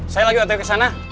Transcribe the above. saya lagi waktu kesana